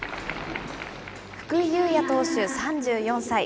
福井優也投手３４歳。